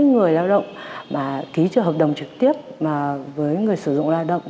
người lao động mà ký cho hợp đồng trực tiếp với người sử dụng lao động